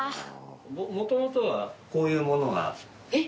もともとはこういう物が。えっ。